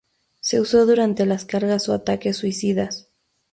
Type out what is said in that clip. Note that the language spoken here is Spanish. Se usó durante las cargas o ataques suicidas.